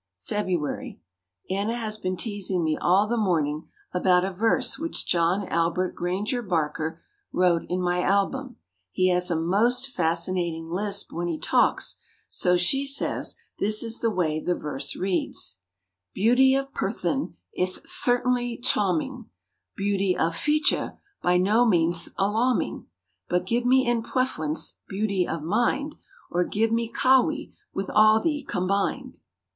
February. Anna has been teasing me all the morning about a verse which John Albert Granger Barker wrote in my album. He has a most fascinating lisp when he talks, so she says this is the way the verse reads: "Beauty of perthon, ith thertainly chawming Beauty of feachure, by no meanth alawming But give me in pwefrence, beauty of mind, Or give me Cawwie, with all thwee combined."